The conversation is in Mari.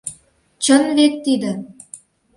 Чын вет тиде?